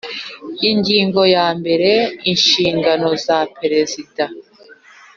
Ingingo ya mbere Inshingano za Perezida